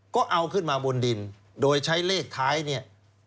ก็เอาขึ้นมาบนดินโดยใช้เลขท้ายเนี่ย